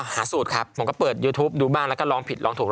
สูตรครับผมก็เปิดยูทูปดูบ้างแล้วก็ลองผิดลองถูก